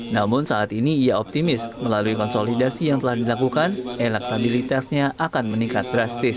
namun saat ini ia optimis melalui konsolidasi yang telah dilakukan elektabilitasnya akan meningkat drastis